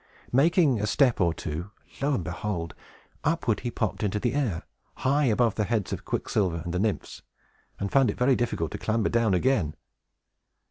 Making a step or two, lo and behold! upward he popped into the air, high above the heads of Quicksilver and the Nymphs, and found it very difficult to clamber down again.